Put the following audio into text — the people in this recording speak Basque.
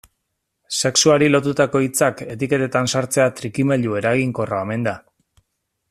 Sexuari lotutako hitzak etiketetan sartzea trikimailu eraginkorra omen da.